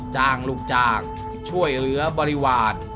จ้างลูกจากช่วยเหลือบริวาส